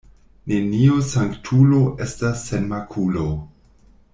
Neniu sanktulo estas sen makulo.